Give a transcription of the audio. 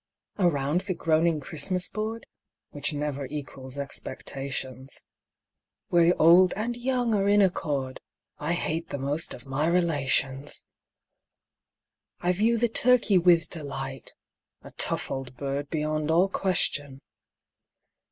_) Around the groaning Christmas board, (Which never equals expectations,) Where old and young are in accord (I hate the most of my relations!) I view the turkey with delight, (_A tough old bird beyond all question!